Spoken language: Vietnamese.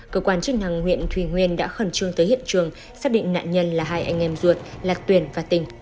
cơ quan chức năng huyện thùy nguyên đã khẩn trương tới hiện trường xác định nạn nhân là hai anh em ruột lạc tuyển và tỉnh